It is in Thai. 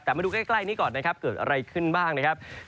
แต่มาดูใกล้นี้ก่อนนะครับเกิดอะไรขึ้นบ้างนะครับ